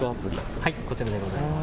はい、こちらでございます。